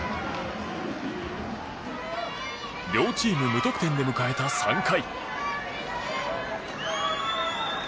両チーム無得点で迎えた３回。